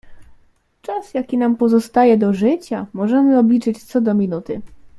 "Czas, jaki nam pozostaje do życia, możemy obliczyć co do minuty."